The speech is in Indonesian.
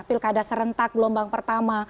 pilkada serentak gelombang pertama